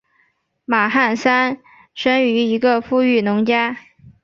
马汉三生于一个富裕农家。